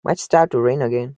Might start to rain again.